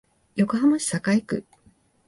横浜市栄区